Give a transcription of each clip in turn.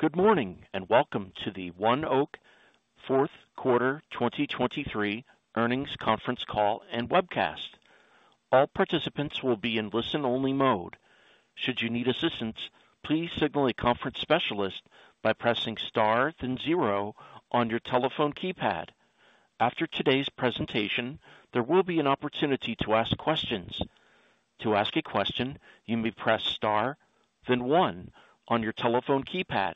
Good morning, and welcome to the ONEOK Q4 2023 earnings conference call and webcast. All participants will be in listen-only mode. Should you need assistance, please signal a conference specialist by pressing Star then zero on your telephone keypad. After today's presentation, there will be an opportunity to ask questions. To ask a question, you may press Star, then one on your telephone keypad.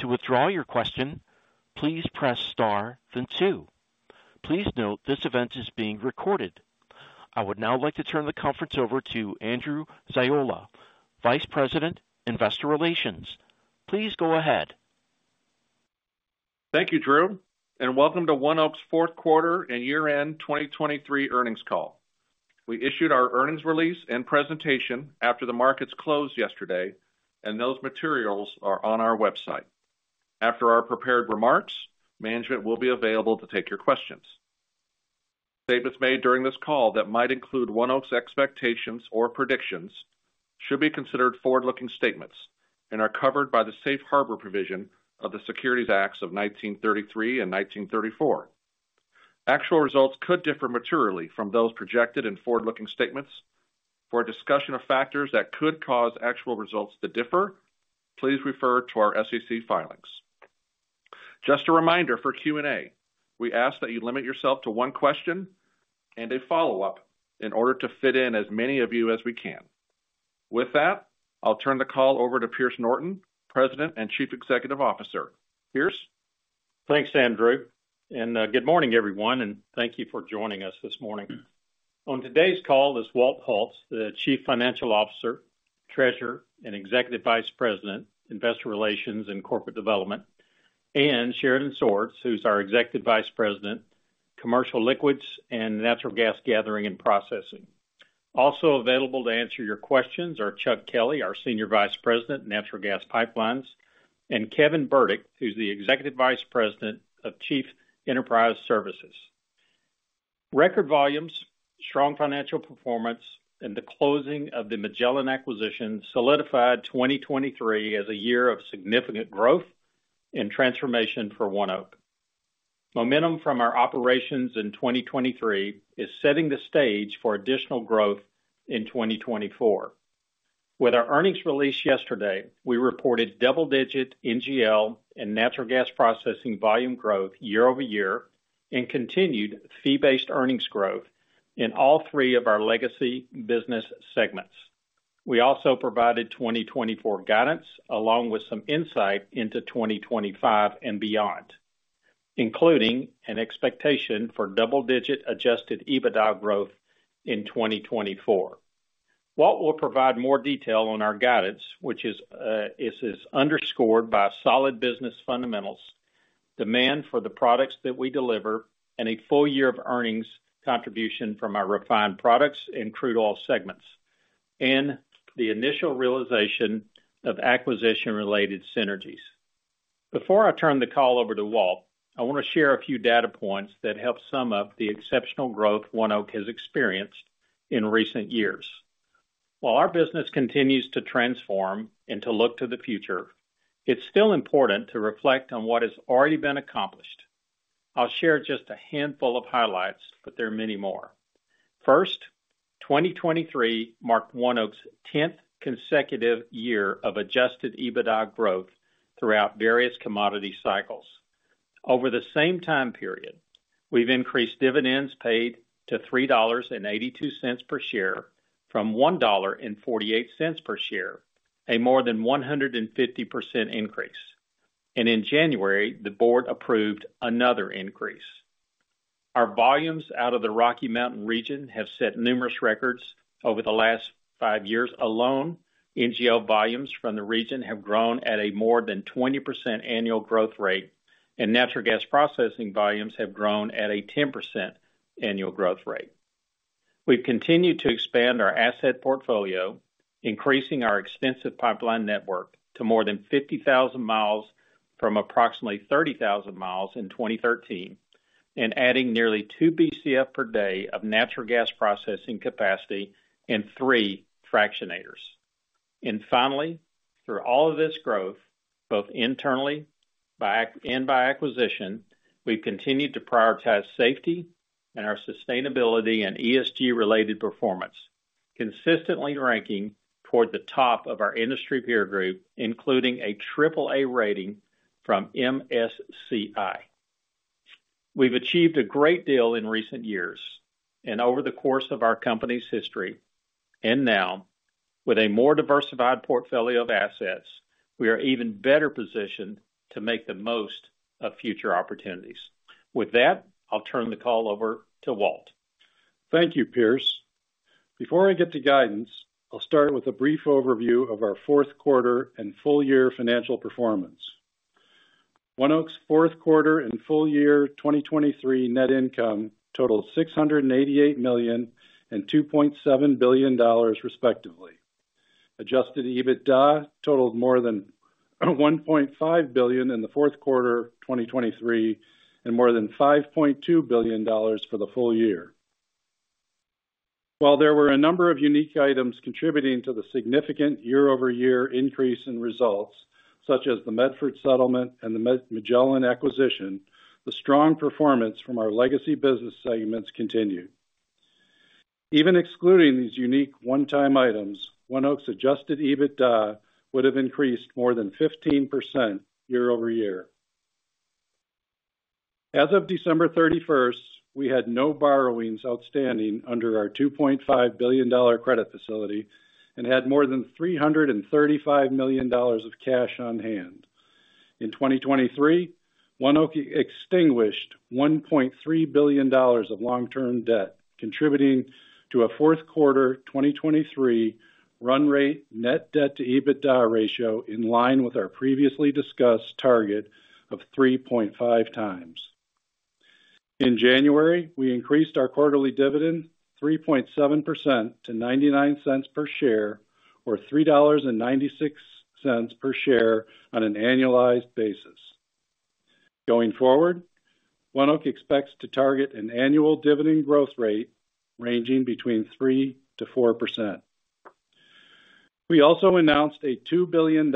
To withdraw your question, please press Star, then two. Please note, this event is being recorded. I would now like to turn the conference over to Andrew Ziola, Vice President, Investor Relations. Please go ahead. Thank you, Drew, and welcome to ONEOK's Q4 and year-end 2023 earnings call. We issued our earnings release and presentation after the markets closed yesterday, and those materials are on our website. After our prepared remarks, management will be available to take your questions. Statements made during this call that might include ONEOK's expectations or predictions should be considered forward-looking statements and are covered by the Safe Harbor provision of the Securities Acts of 1933 and 1934. Actual results could differ materially from those projected in forward-looking statements. For a discussion of factors that could cause actual results to differ, please refer to our SEC filings. Just a reminder, for Q&A, we ask that you limit yourself to one question and a follow-up in order to fit in as many of you as we can. With that, I'll turn the call over to Pierce Norton, President and Chief Executive Officer. Pierce? Thanks, Andrew, and good morning, everyone, and thank you for joining us this morning. On today's call is Walt Hulse, the Chief Financial Officer, Treasurer and Executive Vice President, Investor Relations and Corporate Development, and Sheridan Swords, who's our Executive Vice President, Commercial Liquids and Natural Gas Gathering and Processing. Also available to answer your questions are Chuck Kelley, our Senior Vice President, Natural Gas Pipelines, and Kevin Burdick, who's the Executive Vice President and Chief Enterprise Services Officer. Record volumes, strong financial performance, and the closing of the Magellan acquisition solidified 2023 as a year of significant growth and transformation for ONEOK. Momentum from our operations in 2023 is setting the stage for additional growth in 2024. With our earnings release yesterday, we reported double-digit NGL and natural gas processing volume growth year-over-year, and continued fee-based earnings growth in all three of our legacy business segments. We also provided 2024 guidance, along with some insight into 2025 and beyond, including an expectation for double-digit Adjusted EBITDA growth in 2024. Walt will provide more detail on our guidance, which is underscored by solid business fundamentals, demand for the products that we deliver, and a full year of earnings contribution from our refined products and crude oil segments, and the initial realization of acquisition-related synergies. Before I turn the call over to Walt, I want to share a few data points that help sum up the exceptional growth ONEOK has experienced in recent years. While our business continues to transform and to look to the future, it's still important to reflect on what has already been accomplished. I'll share just a handful of highlights, but there are many more. First, 2023 marked ONEOK's 10th consecutive year of Adjusted EBITDA growth throughout various commodity cycles. Over the same time period, we've increased dividends paid to $3.82 EPS from $1.48 EPS, a more than 150% increase, and in January, the board approved another increase. Our volumes out of the Rocky Mountain region have set numerous records. Over the last five years alone, NGL volumes from the region have grown at a more than 20% annual growth rate, and natural gas processing volumes have grown at a 10% annual growth rate. We've continued to expand our asset portfolio, increasing our extensive pipeline network to more than 50,000 miles from approximately 30,000 miles in 2013, and adding nearly 2 BCF per day of natural gas processing capacity and 3 fractionators. And finally, through all of this growth, both internally and by acquisition, we've continued to prioritize safety and our sustainability and ESG-related performance, consistently ranking toward the top of our industry peer group, including a triple-A rating from MSCI. We've achieved a great deal in recent years and over the course of our company's history, and now, with a more diversified portfolio of assets, we are even better positioned to make the most of future opportunities. With that, I'll turn the call over to Walt. Thank you, Pierce. Before I get to guidance, I'll start with a brief overview of our Q4 and full year financial performance. ONEOK's Q4 and full year 2023 net income totaled $688 million and $2.7 billion, respectively. Adjusted EBITDA totaled more than $1.5 billion in the Q4 of 2023, and more than $5.2 billion for the full year. ...While there were a number of unique items contributing to the significant year-over-year increase in results, such as the Medford settlement and the Medford, Magellan acquisition, the strong performance from our legacy business segments continued. Even excluding these unique one-time items, ONEOK's Adjusted EBITDA would have increased more than 15% year-over-year. As of December 31, we had no borrowings outstanding under our $2.5 billion credit facility and had more than $335 million of cash on hand. In 2023, ONEOK extinguished $1.3 billion of long-term debt, contributing to a Q4 2023 run rate net debt to EBITDA ratio in line with our previously discussed target of 3.5 times. In January, we increased our quarterly dividend 3.7% to $0.99 EPS, or $3.96 EPS on an annualized basis. Going forward, ONEOK expects to target an annual dividend growth rate ranging between 3%-4%. We also announced a $2 billion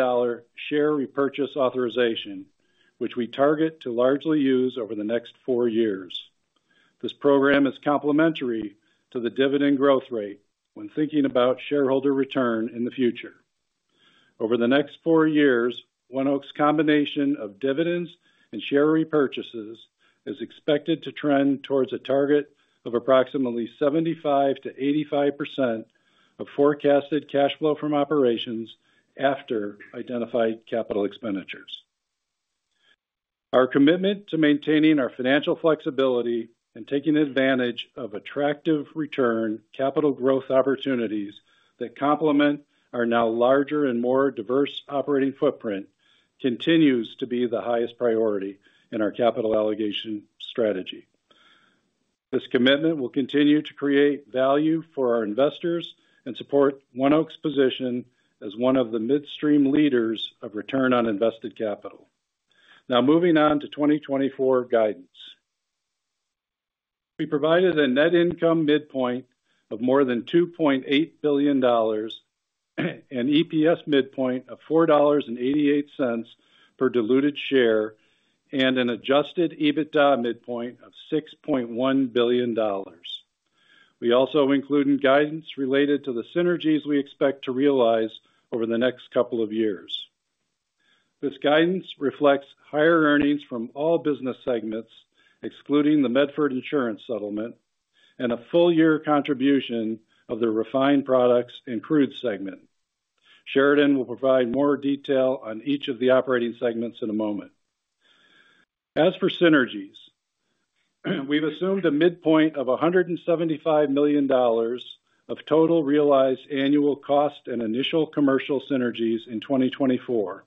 share repurchase authorization, which we target to largely use over the next 4 years. This program is complementary to the dividend growth rate when thinking about shareholder return in the future. Over the next 4 years, ONEOK's combination of dividends and share repurchases is expected to trend towards a target of approximately 75%-85% of forecasted cash flow from operations after identified capital expenditures. Our commitment to maintaining our financial flexibility and taking advantage of attractive return capital growth opportunities that complement our now larger and more diverse operating footprint, continues to be the highest priority in our capital allocation strategy. This commitment will continue to create value for our investors and support ONEOK's position as one of the midstream leaders of return on invested capital. Now moving on to 2024 guidance. We provided a net income midpoint of more than $2.8 billion, and EPS midpoint of $4.88 per diluted share, and an Adjusted EBITDA midpoint of $6.1 billion. We also include guidance related to the synergies we expect to realize over the next couple of years. This guidance reflects higher earnings from all business segments, excluding the Medford insurance settlement and a full year contribution of the refined products and crude segment. Sheridan will provide more detail on each of the operating segments in a moment. As for synergies, we've assumed a midpoint of $175 million of total realized annual cost and initial commercial synergies in 2024,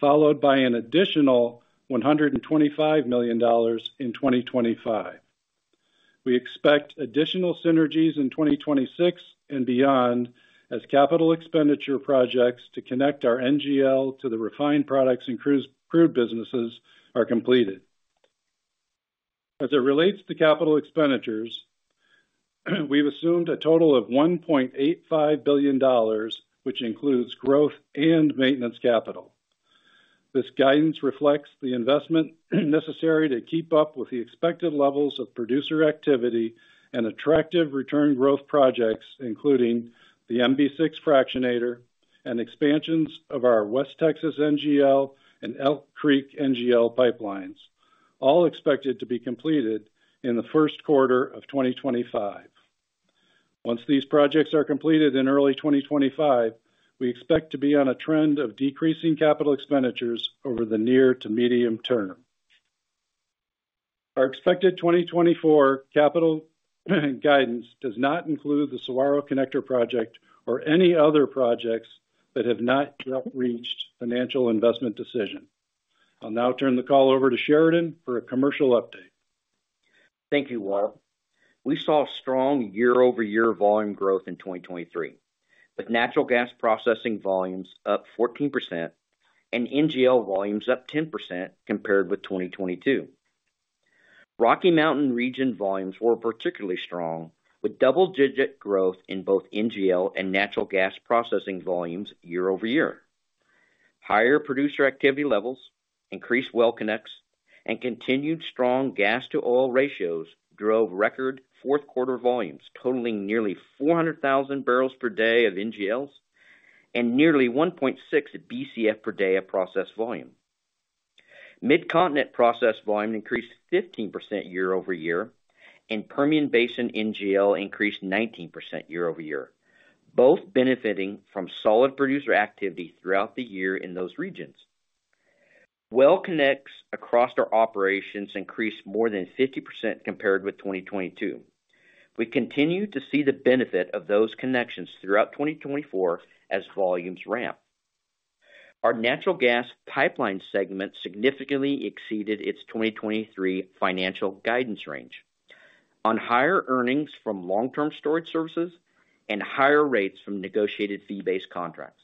followed by an additional $125 million in 2025. We expect additional synergies in 2026 and beyond as capital expenditure projects to connect our NGL to the refined products and crude businesses are completed. As it relates to capital expenditures, we've assumed a total of $1.85 billion, which includes growth and maintenance capital. This guidance reflects the investment necessary to keep up with the expected levels of producer activity and attractive return growth projects, including the MB-6 fractionator and expansions of our West Texas NGL and Elk Creek NGL pipelines, all expected to be completed in the Q1 of 2025. Once these projects are completed in early 2025, we expect to be on a trend of decreasing capital expenditures over the near to medium term. Our expected 2024 capital guidance does not include the Saguaro Connector project or any other projects that have not yet reached financial investment decision. I'll now turn the call over to Sheridan for a commercial update. Thank you, Walt. We saw strong year-over-year volume growth in 2023, with natural gas processing volumes up 14% and NGL volumes up 10% compared with 2022. Rocky Mountain Region volumes were particularly strong, with double-digit growth in both NGL and natural gas processing volumes year-over-year. Higher producer activity levels, increased well connects, and continued strong gas-to-oil ratios drove record Q4 volumes totaling nearly 400,000 barrels per day of NGLs and nearly 1.6 BCF per day of processed volume. Mid-Continent processed volume increased 15% year-over-year, and Permian Basin NGL increased 19% year-over-year, both benefiting from solid producer activity throughout the year in those regions. Well connects across our operations increased more than 50% compared with 2022. We continue to see the benefit of those connections throughout 2024 as volumes ramp. Our natural gas pipeline segment significantly exceeded its 2023 financial guidance range on higher earnings from long-term storage services and higher rates from negotiated fee-based contracts.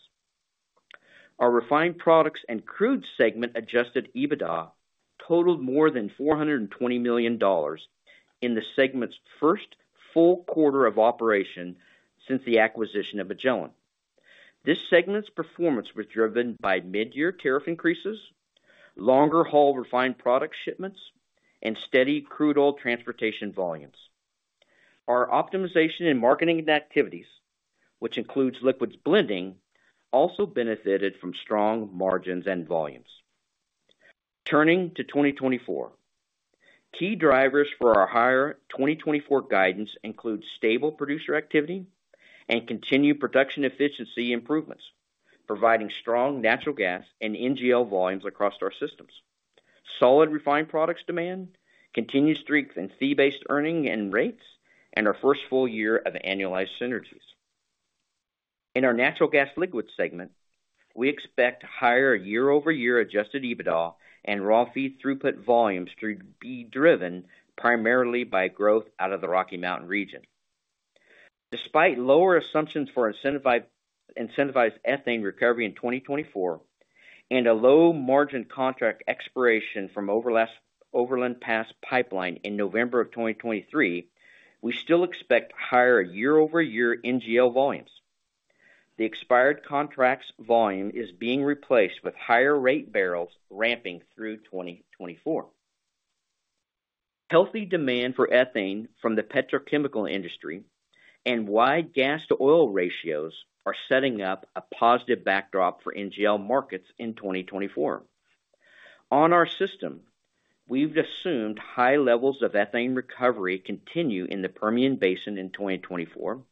Our refined products and crude segment Adjusted EBITDA totaled more than $420 million in the segment's first full quarter of operation since the acquisition of Magellan. This segment's performance was driven by mid-year tariff increases, longer-haul refined product shipments, and steady crude oil transportation volumes. Our optimization and marketing activities, which includes liquids blending, also benefited from strong margins and volumes. Turning to 2024. Key drivers for our higher 2024 guidance include stable producer activity and continued production efficiency improvements, providing strong natural gas and NGL volumes across our systems, solid refined products demand, continued strength in fee-based earning and rates, and our first full year of annualized synergies. In our natural gas liquids segment, we expect higher year-over-year Adjusted EBITDA and raw feed throughput volumes to be driven primarily by growth out of the Rocky Mountain Region. Despite lower assumptions for incentivized ethane recovery in 2024 and a low margin contract expiration from Overland Pass Pipeline in November of 2023, we still expect higher year-over-year NGL volumes. The expired contracts volume is being replaced with higher rate barrels ramping through 2024. Healthy demand for ethane from the petrochemical industry and wide gas-to-oil ratios are setting up a positive backdrop for NGL markets in 2024. On our system, we've assumed high levels of ethane recovery continue in the Permian Basin in 2024,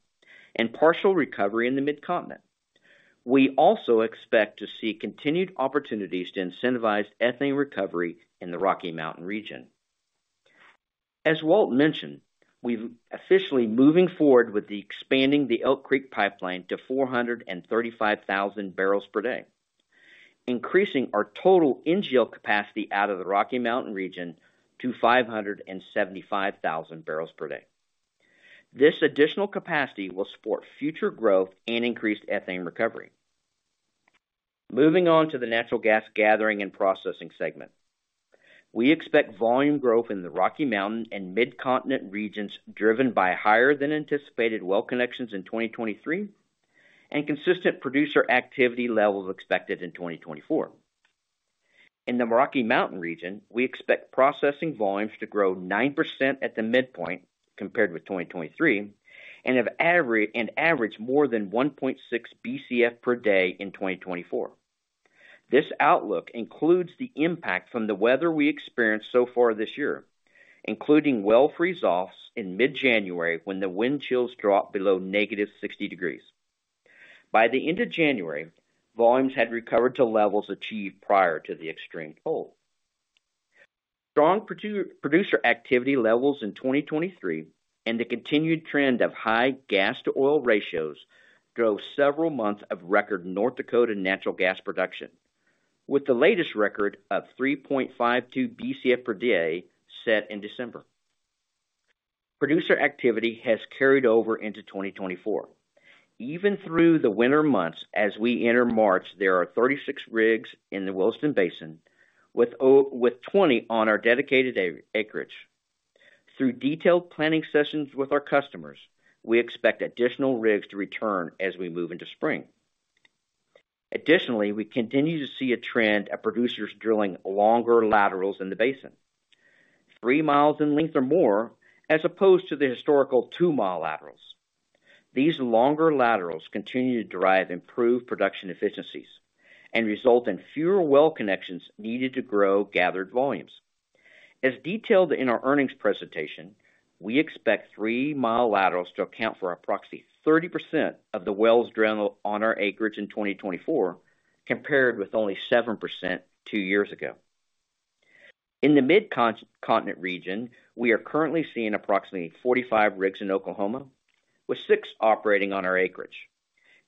and partial recovery in the Mid-Continent. We also expect to see continued opportunities to incentivize ethane recovery in the Rocky Mountain Region. As Walt mentioned, we've officially moving forward with the expanding the Elk Creek Pipeline to 435,000 barrels per day, increasing our total NGL capacity out of the Rocky Mountain region to 575,000 barrels per day. This additional capacity will support future growth and increased ethane recovery. Moving on to the natural gas gathering and processing segment. We expect volume growth in the Rocky Mountain and Mid-Continent regions driven by higher than anticipated well connections in 2023, and consistent producer activity levels expected in 2024. In the Rocky Mountain region, we expect processing volumes to grow 9% at the midpoint compared with 2023, and average more than 1.6 BCF/d in 2024. This outlook includes the impact from the weather we experienced so far this year, including well freeze-offs in mid-January, when the wind chills dropped below -60 degrees. By the end of January, volumes had recovered to levels achieved prior to the extreme cold. Strong producer activity levels in 2023 and the continued trend of high gas-to-oil ratios drove several months of record North Dakota natural gas production, with the latest record of 3.52 BCF per day set in December. Producer activity has carried over into 2024. Even through the winter months as we enter March, there are 36 rigs in the Williston Basin, with 20 on our dedicated acreage. Through detailed planning sessions with our customers, we expect additional rigs to return as we move into spring. Additionally, we continue to see a trend of producers drilling longer laterals in the basin, 3 miles in length or more, as opposed to the historical 2-mile laterals. These longer laterals continue to drive improved production efficiencies and result in fewer well connections needed to grow gathered volumes. As detailed in our earnings presentation, we expect 3-mile laterals to account for approximately 30% of the wells drilled on our acreage in 2024, compared with only 7% two years ago. In the Mid-Continent region, we are currently seeing approximately 45 rigs in Oklahoma, with 6 operating on our acreage.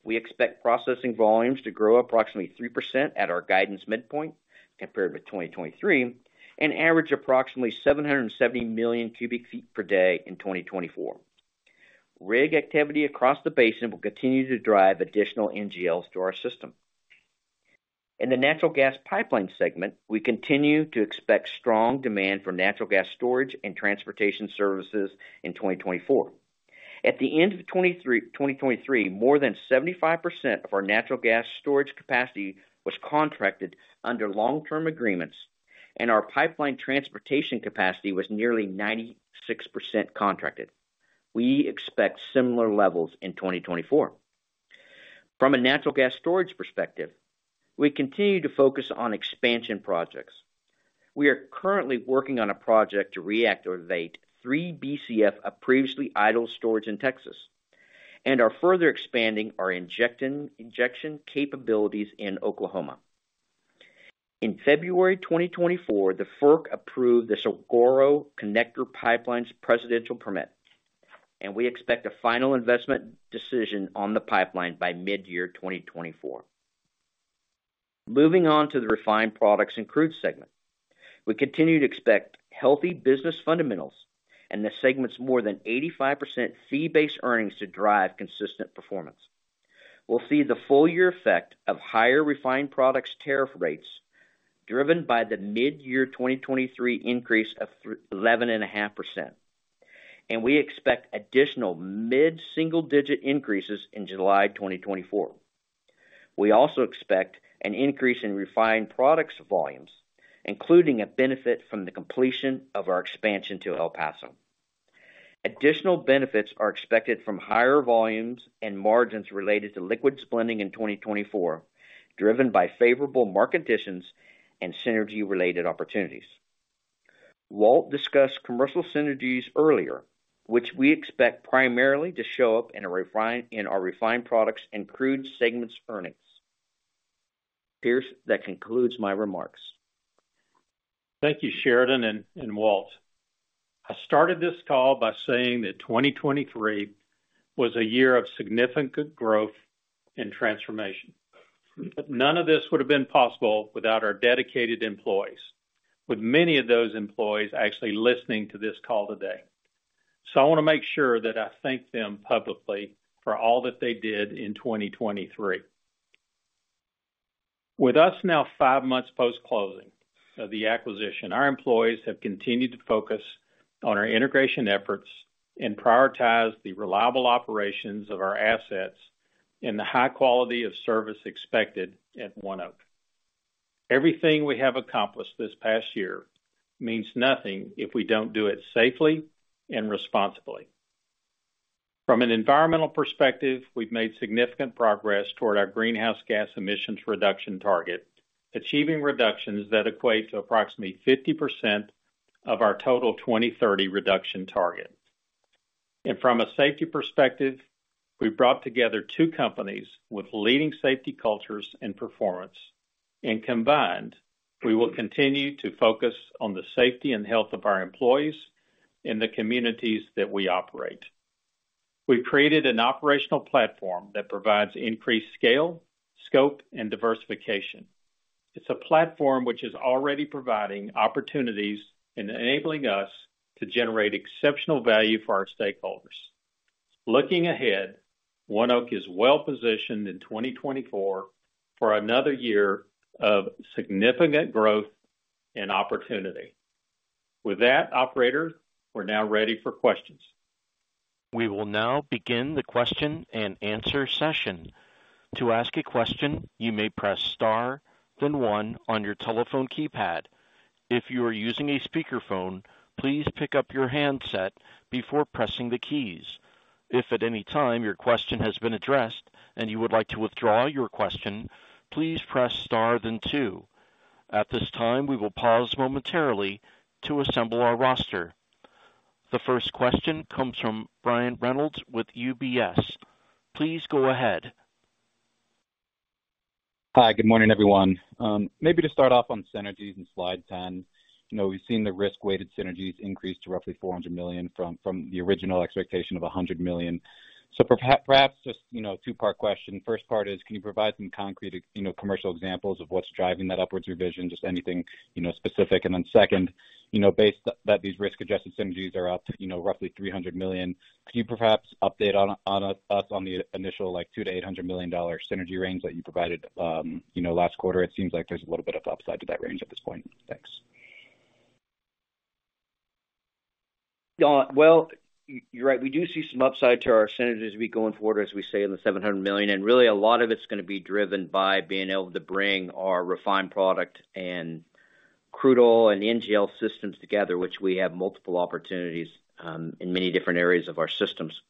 We expect processing volumes to grow approximately 3% at our guidance midpoint compared with 2023, and average approximately 770 million cubic feet per day in 2024. Rig activity across the basin will continue to drive additional NGLs to our system. In the natural gas pipeline segment, we continue to expect strong demand for natural gas storage and transportation services in 2024. At the end of 2023, more than 75% of our natural gas storage capacity was contracted under long-term agreements, and our pipeline transportation capacity was nearly 96% contracted. We expect similar levels in 2024. From a natural gas storage perspective, we continue to focus on expansion projects. We are currently working on a project to reactivate 3 BCF of previously idle storage in Texas and are further expanding our injection capabilities in Oklahoma. In February 2024, the FERC approved the Saguaro Connector Pipeline's Presidential Permit, and we expect a final investment decision on the pipeline by mid-2024. Moving on to the refined products and crude segment. We continue to expect healthy business fundamentals and the segment's more than 85% fee-based earnings to drive consistent performance. We'll see the full year effect of higher refined products tariff rates, driven by the mid-year 2023 increase of eleven and a half percent, and we expect additional mid-single-digit increases in July 2024. We also expect an increase in refined products volumes, including a benefit from the completion of our expansion to El Paso. Additional benefits are expected from higher volumes and margins related to liquids blending in 2024, driven by favorable market conditions and synergy-related opportunities. Walt discussed commercial synergies earlier, which we expect primarily to show up in our refined products and crude segments earnings. Pierce, that concludes my remarks. Thank you, Sheridan and, and Walt. I started this call by saying that 2023 was a year of significant growth and transformation, but none of this would have been possible without our dedicated employees, with many of those employees actually listening to this call today. So I wanna make sure that I thank them publicly for all that they did in 2023. With us now five months post-closing of the acquisition, our employees have continued to focus on our integration efforts and prioritize the reliable operations of our assets and the high quality of service expected at ONEOK. Everything we have accomplished this past year means nothing if we don't do it safely and responsibly. From an environmental perspective, we've made significant progress toward our greenhouse gas emissions reduction target, achieving reductions that equate to approximately 50% of our total 2030 reduction target. From a safety perspective, we've brought together two companies with leading safety cultures and performance, and combined, we will continue to focus on the safety and health of our employees in the communities that we operate. We've created an operational platform that provides increased scale, scope, and diversification. It's a platform which is already providing opportunities and enabling us to generate exceptional value for our stakeholders. Looking ahead, ONEOK is well-positioned in 2024 for another year of significant growth and opportunity. With that, operator, we're now ready for questions. We will now begin the question and answer session. To ask a question, you may press Star, then one on your telephone keypad. If you are using a speakerphone, please pick up your handset before pressing the keys. If at any time your question has been addressed and you would like to withdraw your question, please press Star then two. At this time, we will pause momentarily to assemble our roster. The first question comes from Brian Reynolds with UBS. Please go ahead. Hi, good morning, everyone. Maybe to start off on synergies in slide 10. You know, we've seen the risk-weighted synergies increase to roughly $400 million from the original expectation of $100 million. So perhaps just, you know, a two-part question. First part is, can you provide some concrete, you know, commercial examples of what's driving that upwards revision? Just anything, you know, specific. And then second, you know, based that these risk-adjusted synergies are up, you know, roughly $300 million, can you perhaps update on, on, us on the initial, like, $200 million-$800 million synergy range that you provided, you know, last quarter? It seems like there's a little bit of upside to that range at this point. Thanks. Well, you're right. We do see some upside to our synergies as we go forward, as we say, in the $700 million, and really a lot of it's gonna be driven by being able to bring our refined product and crude oil and NGL systems together, which we have multiple opportunities in many different areas of our systems.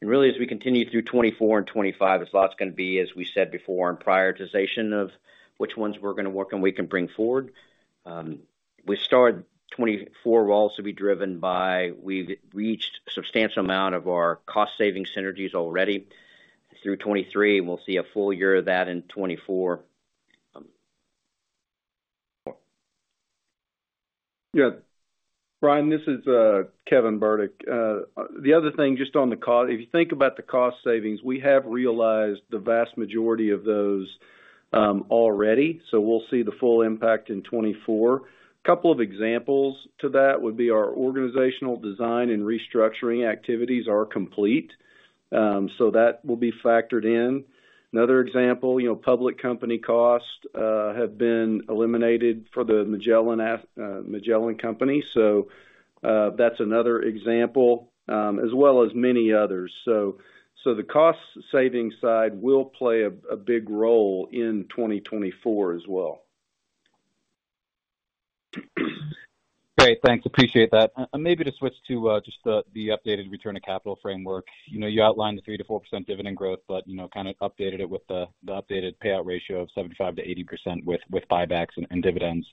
And really, as we continue through 2024 and 2025, it's lots gonna be, as we said before, in prioritization of which ones we're gonna work on, we can bring forward. We start 2024, we'll also be driven by, we've reached a substantial amount of our cost-saving synergies already through 2023, and we'll see a full year of that in 2024. Yeah. Brian, this is Kevin Burdick. The other thing, just on the cost. If you think about the cost savings, we have realized the vast majority of those, already, so we'll see the full impact in 2024. Couple of examples to that would be our organizational design and restructuring activities are complete, so that will be factored in. Another example, you know, public company costs have been eliminated for the Magellan aft- Magellan company, so that's another example, as well as many others. So the cost-saving side will play a big role in 2024 as well. Great, thanks. Appreciate that. And maybe to switch to just the updated return on capital framework. You know, you outlined the 3%-4% dividend growth, but you know, kind of updated it with the updated payout ratio of 75%-80% with buybacks and dividends.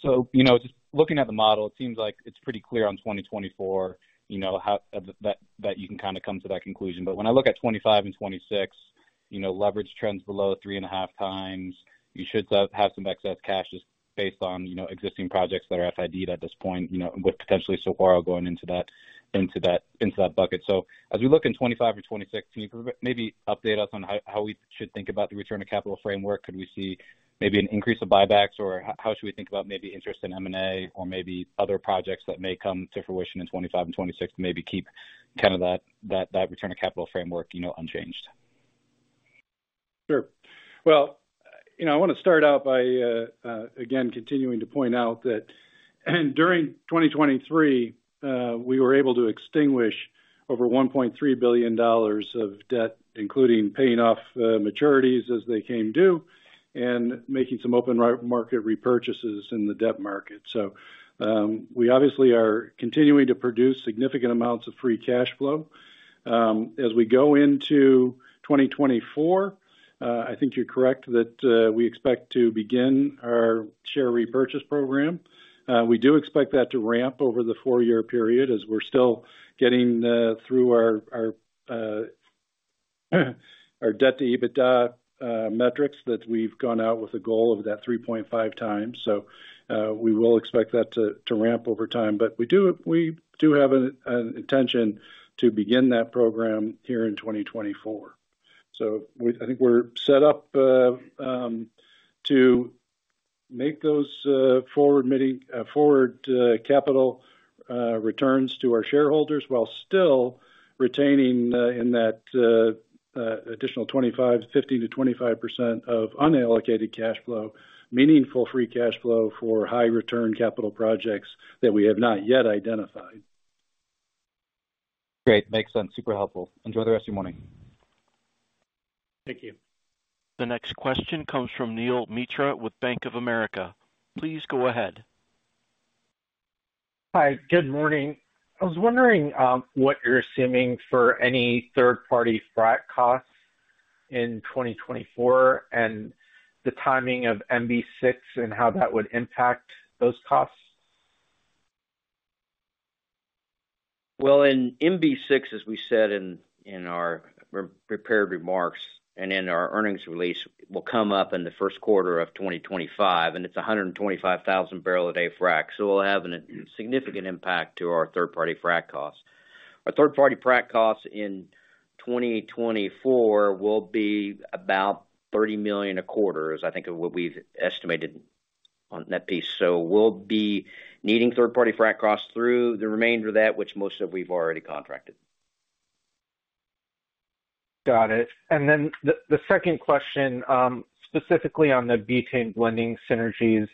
So, you know, just looking at the model, it seems like it's pretty clear on 2024, you know, how that you can kinda come to that conclusion. But when I look at 2025 and 2026-... you know, leverage trends below 3.5 times. You should have some excess cash just based on, you know, existing projects that are FID at this point, you know, with potentially Saguaro going into that bucket. So as we look in 2025 to 2026, can you maybe update us on how we should think about the return on capital framework? Could we see maybe an increase of buybacks, or how should we think about maybe interest in M&A or maybe other projects that may come to fruition in 2025 and 2026, to maybe keep kind of that return on capital framework, you know, unchanged? Sure. Well, you know, I wanna start out by again continuing to point out that during 2023, we were able to extinguish over $1.3 billion of debt, including paying off maturities as they came due and making some open market repurchases in the debt market. So, we obviously are continuing to produce significant amounts of free cash flow. As we go into 2024, I think you're correct that we expect to begin our share repurchase program. We do expect that to ramp over the four-year period, as we're still getting through our debt to EBITDA metrics, that we've gone out with a goal of that 3.5 times. So, we will expect that to ramp over time. But we do, we do have an intention to begin that program here in 2024. So I think we're set up to make those forward capital returns to our shareholders, while still retaining in that additional 25-50 to 25% of unallocated cash flow, meaningful free cash flow for high return capital projects that we have not yet identified. Great. Makes sense. Super helpful. Enjoy the rest of your morning. Thank you. The next question comes from Neel Mitra with Bank of America. Please go ahead. Hi, good morning. I was wondering, what you're assuming for any third-party frac costs in 2024, and the timing of MB-6 and how that would impact those costs? Well, in MB-6, as we said in, in our prepared remarks and in our earnings release, will come up in the Q1 of 2025, and it's a 125,000 barrel a day frac, so it will have a significant impact to our third-party frac costs. Our third-party frac costs in 2024 will be about $30 million a quarter, as I think of what we've estimated on that piece. So we'll be needing third-party frac costs through the remainder of that, which most of we've already contracted. Got it. And then the second question, specifically on the butane blending synergies.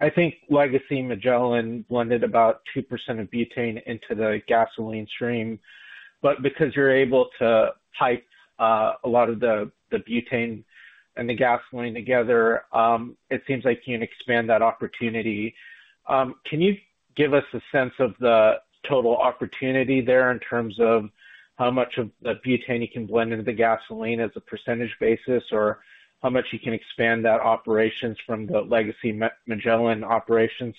I think legacy Magellan blended about 2% of butane into the gasoline stream. But because you're able to pipe a lot of the butane and the gasoline together, it seems like you can expand that opportunity. Can you give us a sense of the total opportunity there, in terms of how much of the butane you can blend into the gasoline as a percentage basis, or how much you can expand that operations from the legacy Magellan operations?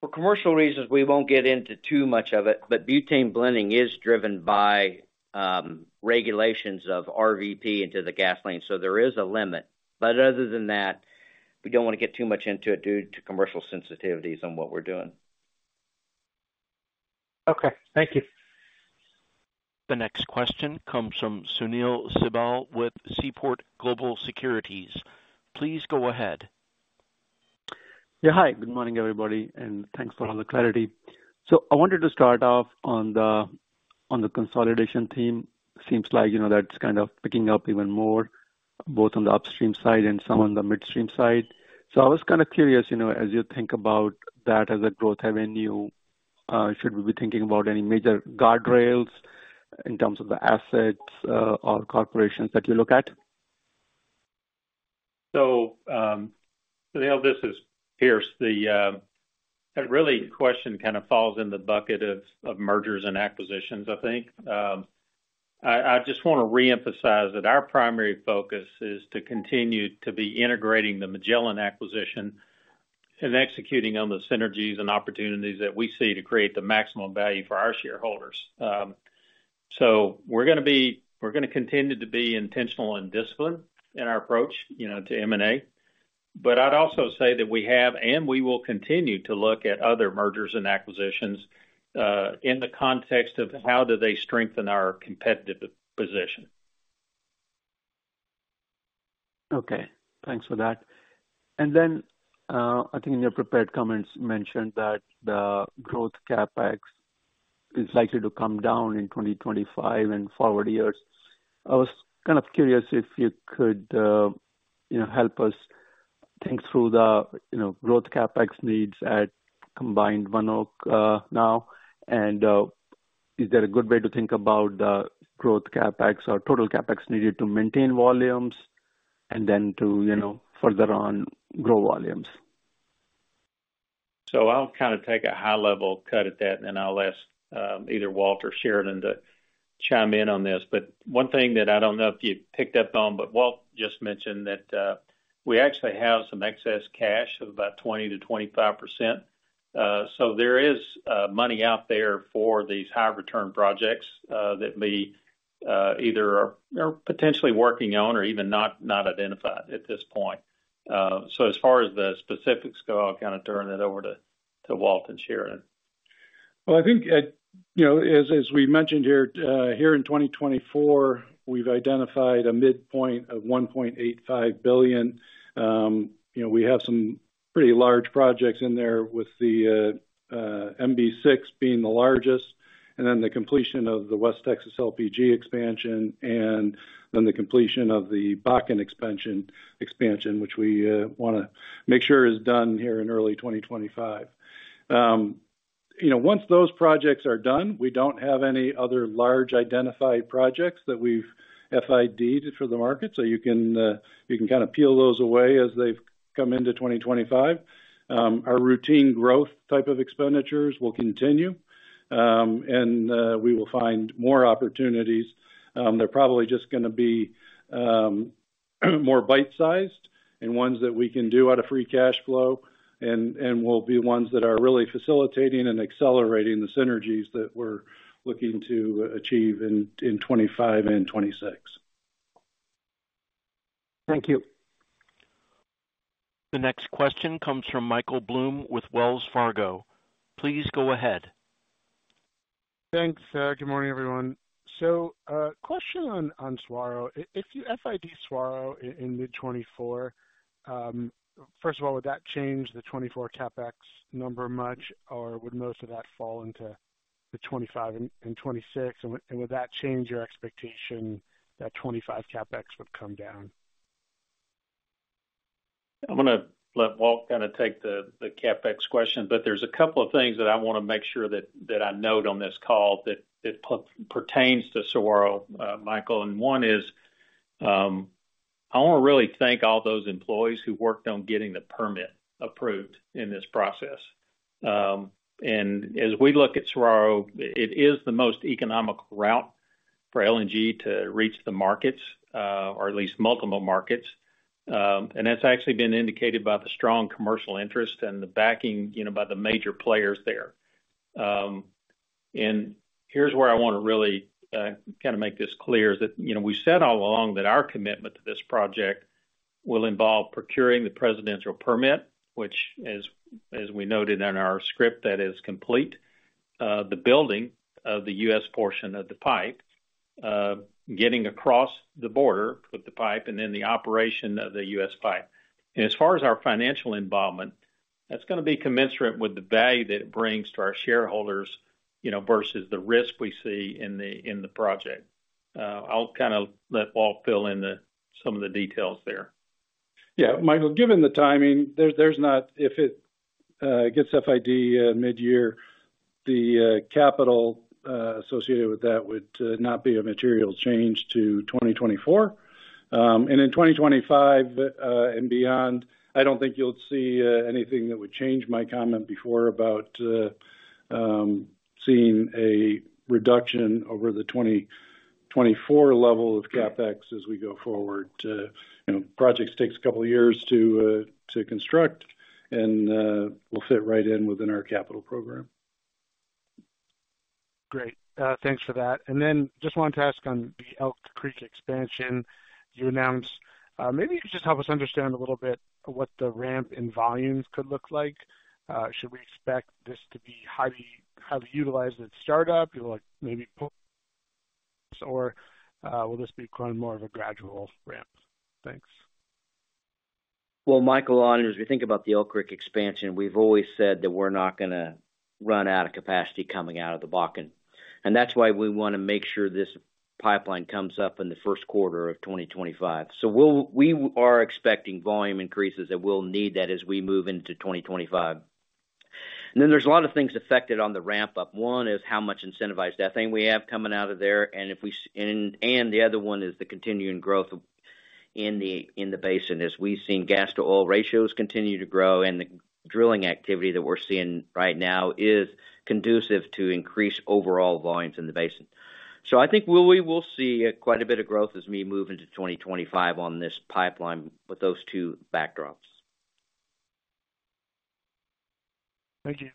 For commercial reasons, we won't get into too much of it, but butane blending is driven by regulations of RVP into the gasoline, so there is a limit. But other than that, we don't wanna get too much into it, due to commercial sensitivities on what we're doing. Okay. Thank you. The next question comes from Sunil Sibal with Seaport Global Securities. Please go ahead. Yeah, hi, good morning, everybody, and thanks for all the clarity. So I wanted to start off on the consolidation team. Seems like, you know, that's kind of picking up even more, both on the upstream side and some on the midstream side. So I was kind of curious, you know, as you think about that as a growth avenue, should we be thinking about any major guardrails in terms of the assets, or corporations that you look at? So, Sunil, this is Pierce. That really question kind of falls in the bucket of mergers and acquisitions, I think. I just want to reemphasize that our primary focus is to continue to be integrating the Magellan acquisition and executing on the synergies and opportunities that we see to create the maximum value for our shareholders. So, we're gonna be—we're gonna continue to be intentional and disciplined in our approach, you know, to M&A. But I'd also say that we have, and we will continue to look at other mergers and acquisitions in the context of how do they strengthen our competitive position. Okay, thanks for that. And then, I think in your prepared comments, you mentioned that the growth CapEx is likely to come down in 2025 and forward years. I was kind of curious if you could, you know, help us think through the, you know, growth CapEx needs at combined ONEOK, now. And, is there a good way to think about the growth CapEx or total CapEx needed to maintain volumes and then to, you know, further on grow volumes? So I'll kind of take a high-level cut at that, and then I'll ask either Walt or Sheridan to chime in on this. But one thing that I don't know if you picked up on, but Walt just mentioned that we actually have some excess cash of about 20%-25%.... So there is money out there for these high return projects that we either are potentially working on or even not identified at this point. So as far as the specifics go, I'll kind of turn it over to Walt and Sheridan. Well, I think, you know, as we mentioned here, here in 2024, we've identified a midpoint of $1.85 billion. You know, we have some pretty large projects in there, with the MB-6 being the largest, and then the completion of the West Texas LPG expansion, and then the completion of the Bakken expansion, which we wanna make sure is done here in early 2025. You know, once those projects are done, we don't have any other large identified projects that we've FIDed for the market, so you can, you can kind of peel those away as they've come into 2025. Our routine growth type of expenditures will continue, and we will find more opportunities. They're probably just gonna be more bite-sized and ones that we can do out of free cash flow and will be ones that are really facilitating and accelerating the synergies that we're looking to achieve in 2025 and 2026. Thank you. The next question comes from Michael Blum with Wells Fargo. Please go ahead. Thanks. Good morning, everyone. So, question on Saguaro. If you FID Saguaro in mid-2024, first of all, would that change the 2024 CapEx number much, or would most of that fall into the 2025 and 2026? And would that change your expectation that 2025 CapEx would come down? I'm gonna let Walt kind of take the, the CapEx question, but there's a couple of things that I wanna make sure that, that I note on this call that, that pertains to Saguaro, Michael, and one is, I wanna really thank all those employees who worked on getting the permit approved in this process. And as we look at Saguaro, it is the most economical route for LNG to reach the markets, or at least multiple markets. And that's actually been indicated by the strong commercial interest and the backing, you know, by the major players there. And here's where I want to really, kind of make this clear, is that, you know, we said all along that our commitment to this project will involve procuring the Presidential Permit, which as, as we noted in our script, that is complete. The building of the U.S. portion of the pipe, getting across the border with the pipe, and then the operation of the U.S. pipe. As far as our financial involvement, that's gonna be commensurate with the value that it brings to our shareholders, you know, versus the risk we see in the project. I'll kind of let Walt fill in some of the details there. Yeah, Michael, given the timing, there's not... If it gets FID mid-year, the capital associated with that would not be a material change to 2024. And in 2025, and beyond, I don't think you'll see anything that would change my comment before about seeing a reduction over the 2024 level of CapEx as we go forward. You know, projects takes a couple of years to construct and will fit right in within our capital program. Great. Thanks for that. Then just wanted to ask on the Elk Creek expansion you announced. Maybe you could just help us understand a little bit what the ramp in volumes could look like. Should we expect this to be highly, highly utilized at startup, you know, like, maybe, or, will this be kind of more of a gradual ramp? Thanks. Well, Michael, on as we think about the Elk Creek expansion, we've always said that we're not gonna run out of capacity coming out of the Bakken. And that's why we wanna make sure this pipeline comes up in the Q1 of 2025. So we are expecting volume increases, that we'll need that as we move into 2025. And then there's a lot of things affected on the ramp-up. One is how much incentivized ethane we have coming out of there, and the other one is the continuing growth of, in the basin. As we've seen, gas-to-oil ratios continue to grow, and the drilling activity that we're seeing right now is conducive to increased overall volumes in the basin. So I think we will see quite a bit of growth as we move into 2025 on this pipeline with those two backdrops. Thank you.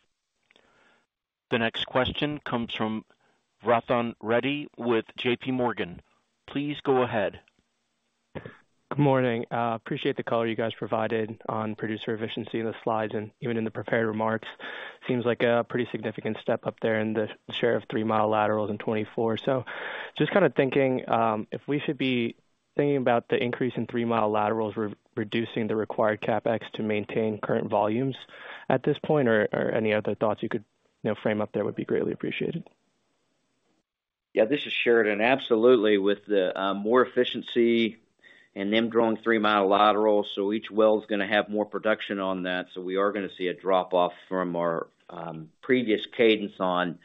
The next question comes from Vrathan Reddy with JP Morgan. Please go ahead. Good morning. Appreciate the color you guys provided on producer efficiency in the slides and even in the prepared remarks. Seems like a pretty significant step up there in the share of three-mile laterals in 2024. So just kind of thinking, if we should be thinking about the increase in three-mile laterals, reducing the required CapEx to maintain current volumes at this point, or any other thoughts you could, you know, frame up there would be greatly appreciated. Yeah, this is Sheridan. Absolutely, with the more efficiency and them drawing three-mile laterals, so each well is gonna have more production on that, so we are gonna see a drop-off from our previous cadence on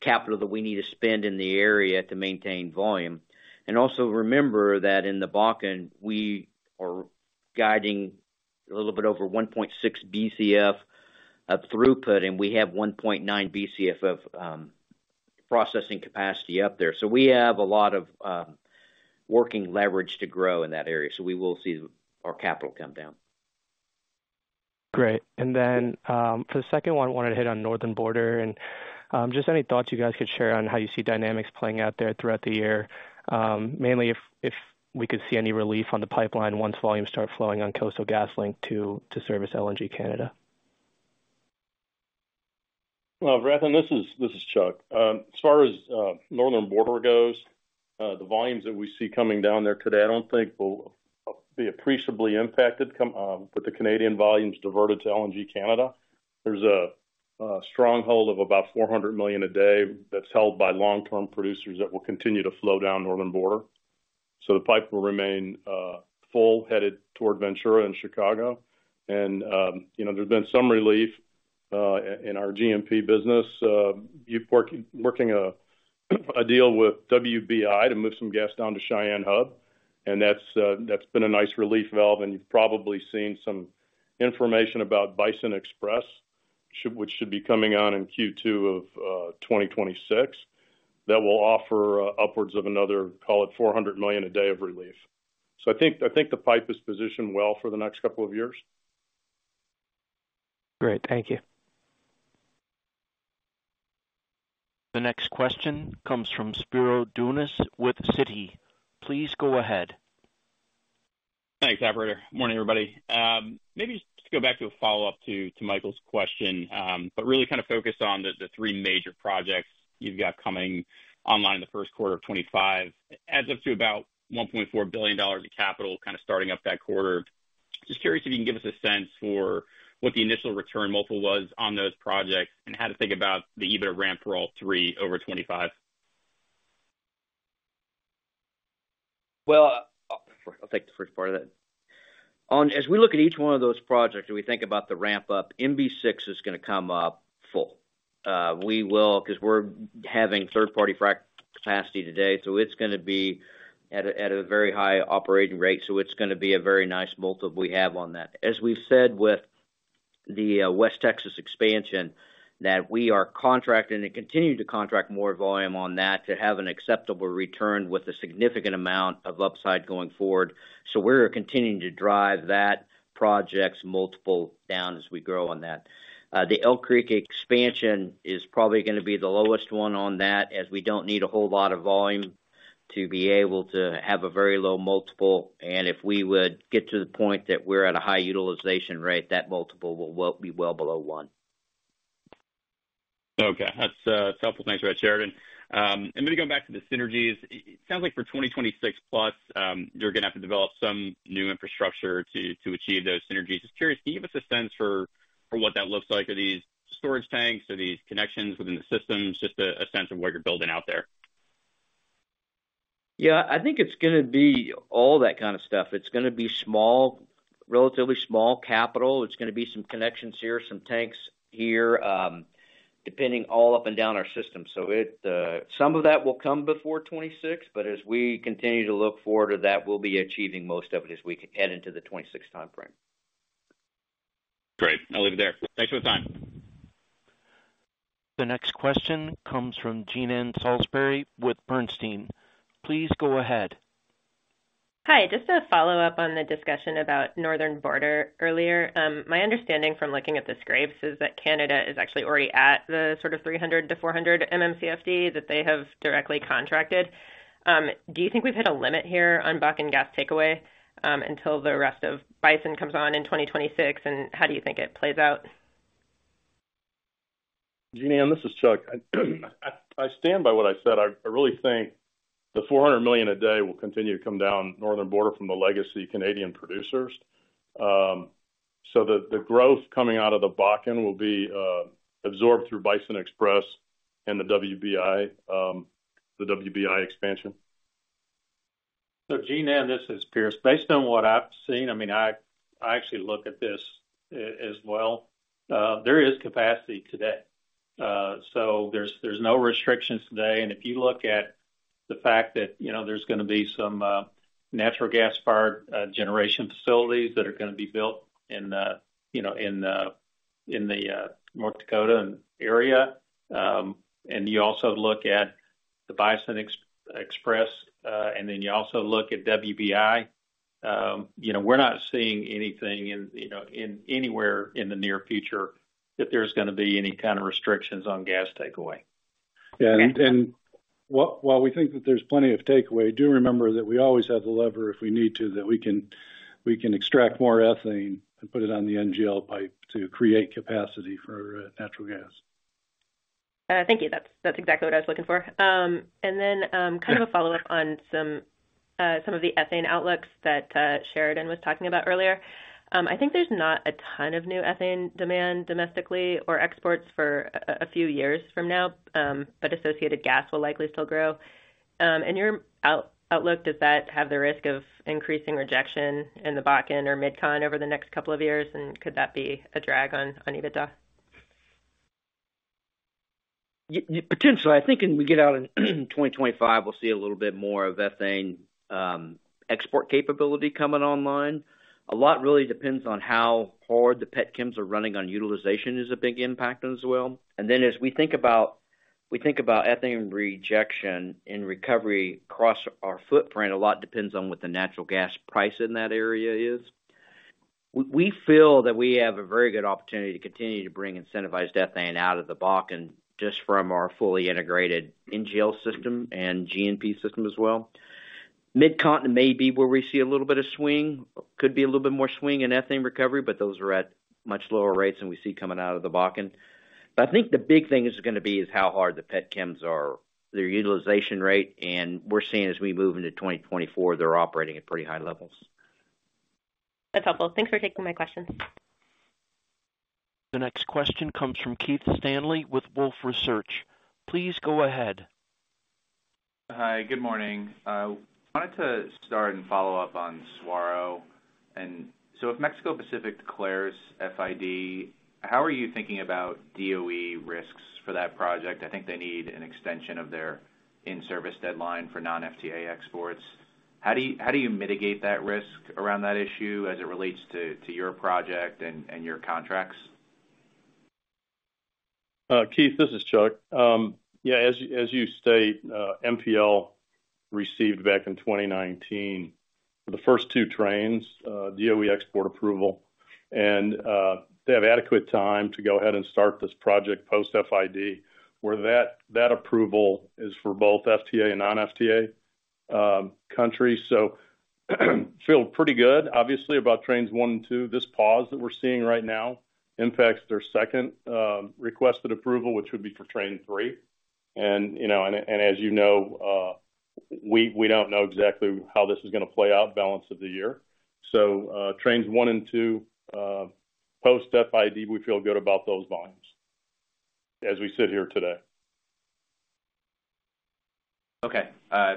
capital that we need to spend in the area to maintain volume. And also remember that in the Bakken, we are guiding a little bit over 1.6 BCF of throughput, and we have 1.9 BCF of processing capacity up there. So we have a lot of working leverage to grow in that area, so we will see our capital come down. Great. And then, for the second one, I wanted to hit on Northern Border. Just any thoughts you guys could share on how you see dynamics playing out there throughout the year? Mainly, if we could see any relief on the pipeline once volumes start flowing on Coastal GasLink to service LNG Canada. Well, Rathan, this is Chuck. As far as Northern Border goes, the volumes that we see coming down there today, I don't think will be appreciably impacted with the Canadian volumes diverted to LNG Canada. There's a stronghold of about 400 million a day that's held by long-term producers that will continue to flow down Northern Border. So the pipe will remain full headed toward Ventura and Chicago. And you know, there's been some relief in our GMP business. You're working a deal with WBI to move some gas down to Cheyenne Hub, and that's been a nice relief valve. And you've probably seen some information about Bison XPress, which should be coming on in Q2 of 2026. That will offer upwards of another, call it, 400 million a day of relief. So I think, I think the pipe is positioned well for the next couple of years. Great. Thank you. The next question comes from Spiro Dounis with Citi. Please go ahead. Thanks, operator. Morning, everybody. Maybe just to go back to a follow-up to, to Michael's question, but really kind of focus on the, the three major projects you've got coming online in the Q1 of 2025. Adds up to about $1.4 billion of capital kind of starting up that quarter. Just curious if you can give us a sense for what the initial return multiple was on those projects and how to think about the EBITDA ramp for all three over 2025. Well, I'll take the first part of that. On, as we look at each one of those projects and we think about the ramp-up, MB-6 is gonna come up full. Because we're having third-party frack capacity today, so it's gonna be at a very high operating rate, so it's gonna be a very nice multiple we have on that. As we've said with the West Texas expansion, that we are contracting and continue to contract more volume on that to have an acceptable return with a significant amount of upside going forward. So we're continuing to drive that project's multiple down as we grow on that. The Elk Creek expansion is probably gonna be the lowest one on that, as we don't need a whole lot of volume to be able to have a very low multiple. If we would get to the point that we're at a high utilization rate, that multiple will be well below one. Okay. That's helpful. Thanks for that, Sheridan. And maybe going back to the synergies. It sounds like for 2026 plus, you're gonna have to develop some new infrastructure to achieve those synergies. Just curious, can you give us a sense for what that looks like? Are these storage tanks? Are these connections within the systems? Just a sense of what you're building out there. Yeah, I think it's gonna be all that kind of stuff. It's gonna be small, relatively small capital. It's gonna be some connections here, some tanks here, depending all up and down our system. So it, some of that will come before 2026, but as we continue to look forward to that, we'll be achieving most of it as we head into the 2026 timeframe. Great. I'll leave it there. Thanks for the time. The next question comes from Jean Ann Salisbury with Bernstein. Please go ahead. Hi, just to follow up on the discussion about Northern Border earlier. My understanding from looking at the scrapes is that Canada is actually already at the sort of 300-400 MMCFD that they have directly contracted. Do you think we've hit a limit here on Bakken gas takeaway, until the rest of Bison comes on in 2026? And how do you think it plays out? Jean Ann, this is Chuck. I stand by what I said. I really think the 400 million a day will continue to come down Northern Border from the legacy Canadian producers. So the growth coming out of the Bakken will be absorbed through Bison XPress and the WBI, the WBI expansion. So Jean Ann, this is Pierce. Based on what I've seen, I mean, I actually look at this as well. There is capacity today, so there's no restrictions today. And if you look at the fact that, you know, there's gonna be some natural gas-fired generation facilities that are gonna be built in the, you know, in the North Dakota area, and you also look at the Bison XPress, and then you also look at WBI, you know, we're not seeing anything in anywhere in the near future that there's gonna be any kind of restrictions on gas takeaway. Yeah, and while we think that there's plenty of takeaway, do remember that we always have the lever if we need to, that we can, we can extract more ethylene and put it on the NGL pipe to create capacity for natural gas. Thank you. That's, that's exactly what I was looking for. And then, kind of a follow-up on some, some of the ethane outlooks that, Sheridan was talking about earlier. I think there's not a ton of new ethane demand domestically or exports for a, a few years from now, but associated gas will likely still grow. In your outlook, does that have the risk of increasing rejection in the Bakken or Mid-Con over the next couple of years? And could that be a drag on, on EBITDA? Potentially. I think as we get out in 2025, we'll see a little bit more of ethane export capability coming online. A lot really depends on how hard the petchems are running on utilization is a big impact as well. And then as we think about we think about ethane rejection and recovery across our footprint, a lot depends on what the natural gas price in that area is. We, we feel that we have a very good opportunity to continue to bring incentivized ethane out of the Bakken, just from our fully integrated NGL system and GNP system as well. Mid-Continent may be where we see a little bit of swing, could be a little bit more swing in ethane recovery, but those are at much lower rates than we see coming out of the Bakken. But I think the big thing is gonna be is how hard the petchems are, their utilization rate, and we're seeing as we move into 2024, they're operating at pretty high levels. That's helpful. Thanks for taking my question. The next question comes from Keith Stanley with Wolfe Research. Please go ahead. Hi, good morning. I wanted to start and follow up on Saguaro. And so if Mexico Pacific declares FID, how are you thinking about DOE risks for that project? I think they need an extension of their in-service deadline for non-FTA exports. How do you, how do you mitigate that risk around that issue as it relates to, to your project and, and your contracts? Keith, this is Chuck. Yeah, as you state, MPL received back in 2019 the first two trains DOE export approval, and they have adequate time to go ahead and start this project post-FID, where that approval is for both FTA and non-FTA countries. So feel pretty good, obviously, about trains one and two. This pause that we're seeing right now impacts their second requested approval, which would be for train three. And, you know, and as you know, we don't know exactly how this is gonna play out balance of the year. So, trains one and two post-FID, we feel good about those volumes as we sit here today. Okay,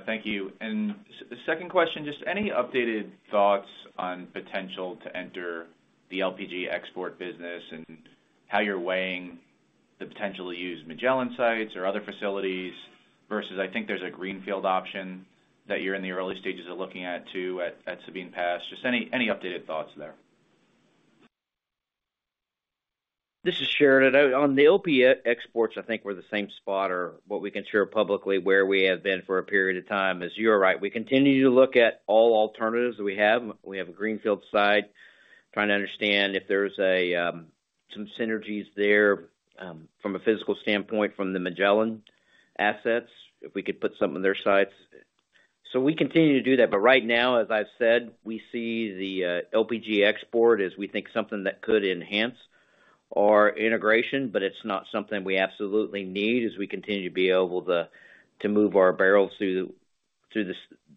thank you. And the second question, just any updated thoughts on potential to enter the LPG export business and how you're weighing the potential to use Magellan sites or other facilities, versus I think there's a greenfield option that you're in the early stages of looking at, too, at Sabine Pass. Just any updated thoughts there? This is Sheridan. On the LPG exports, I think we're in the same spot or what we can share publicly, where we have been for a period of time. As you're right, we continue to look at all alternatives that we have. We have a greenfield site, trying to understand if there's a some synergies there from a physical standpoint, from the Magellan assets, if we could put something on their sites. So we continue to do that, but right now, as I've said, we see the LPG export as we think something that could enhance our integration, but it's not something we absolutely need as we continue to be able to to move our barrels through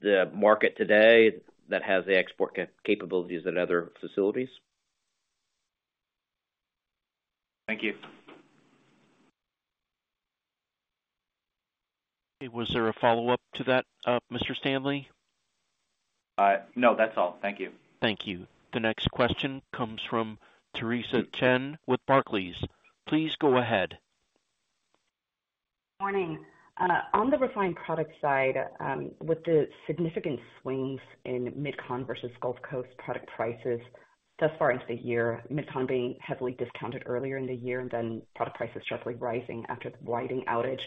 the market today that has the export capabilities at other facilities. Thank you. Was there a follow-up to that, Mr. Stanley? No, that's all. Thank you. Thank you. The next question comes from Theresa Chen with Barclays. Please go ahead. Morning. On the refined product side, with the significant swings in MidCon versus Gulf Coast product prices thus far into the year, MidCon being heavily discounted earlier in the year and then product prices sharply rising after the Whiting outage,